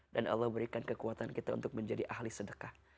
dan allah memberikan kekuatan kita untuk menjadi ahli sedekah